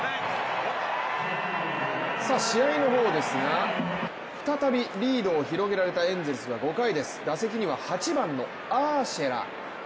試合の方ですが、再びリードを広げられたエンゼルスは５回です、打席には８番のアーシェラ。